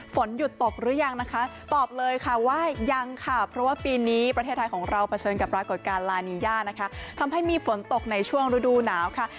ฝนหยุดตกหรือยังนะคะตอบเลยค่ะว่ายังค่ะเพราะว่าปีนี้ประเทศไทยของเราเผชิญกับปรากฏการณ์ลานีย่านะคะทำให้มีฝนตกในช่วงฤดูหนาวค่ะ